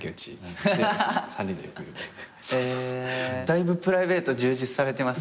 だいぶプライベート充実されてますね。